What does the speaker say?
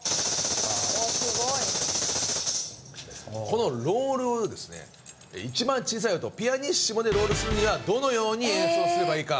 このロールをですね一番小さい音ピアニッシモでロールするにはどのように演奏すればいいかお二人ちょっと。